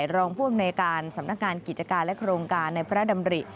รองผู้อำนวยการสำนักงานกิจการและโครงการในพระดำริ